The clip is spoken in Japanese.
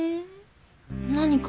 何か？